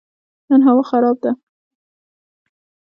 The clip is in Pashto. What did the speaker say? نن هوا خراب ده